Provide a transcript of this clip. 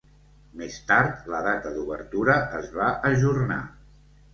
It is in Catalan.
Més tard, la data d'obertura es va ajornar.